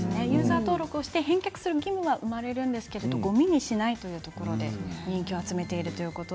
ユーザー登録をして返却する義務は生まれるんですがごみにしないということで人気を集めています。